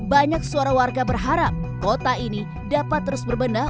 banyak suara warga berharap kota ini dapat terus berbenah